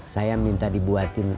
saya minta dibuatin